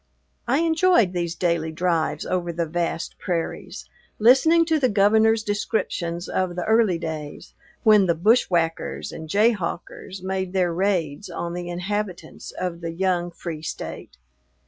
I enjoyed these daily drives over the vast prairies, listening to the Governor's descriptions of the early days when the "bushwhackers and jayhawkers" made their raids on the inhabitants of the young free State.